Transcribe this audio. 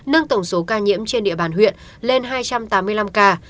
nâng tổng số ca nhiễm trên địa bàn huyện lên hai trăm tám mươi năm ca